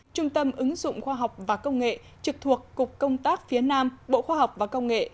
trung tâm ứng dụng khoa học và công nghệ trực thuộc cục công tác phía nam bộ khoa học và công nghệ